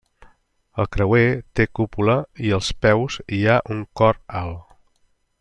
El creuer té cúpula i als peus hi ha un cor alt.